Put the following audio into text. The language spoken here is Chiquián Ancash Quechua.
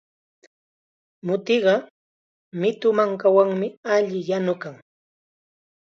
Mutiqa mitu mankachawmi alli yanukan.